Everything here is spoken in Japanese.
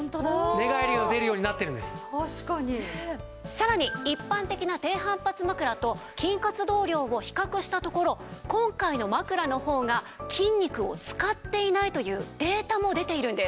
さらに一般的な低反発枕と筋活動量を比較したところ今回の枕の方が筋肉を使っていないというデータも出ているんです。